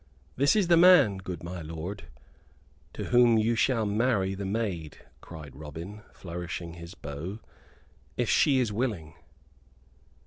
"This is the man, good my lord, to whom you shall marry the maid," cried Robin, flourishing his bow, "if she is willing."